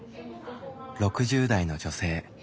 ６０代の女性。